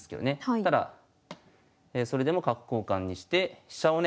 ただそれでも角交換にして飛車をね